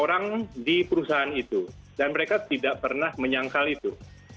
orang di perusahaan itu dan mereka tidak pernah menyangkal itu